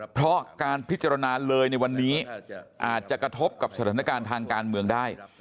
เพราะการพิจารณาเลยในวันนี้อาจจะกระทบกับสถานการณ์ทางการเมืองได้